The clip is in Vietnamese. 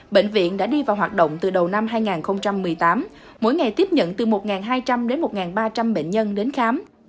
bệnh viện đã đi vào hoạt động từ đầu năm hai nghìn một mươi tám mỗi ngày tiếp nhận từ một hai trăm linh đến một ba trăm linh bệnh nhân đến khám